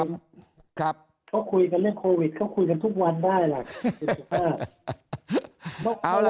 ต่อไปให้เขาคุยกันเรื่องโควิดคุยกันทุกวันได้แหละ